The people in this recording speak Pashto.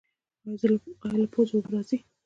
ایا له پوزې اوبه راځي؟